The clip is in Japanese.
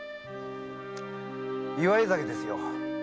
祝い酒ですよ。